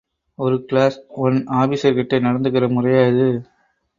ஒரு class one ஆபீசர்கிட்டே நடந்துக்கிற முறையா இது?